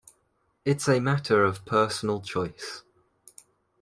It's a matter of personal choice.